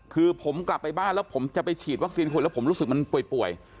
คือผมกลับไปบ้านแล้วผมจะไปฉีดวัคซีนคนแล้วผมรู้สึกมันป่วย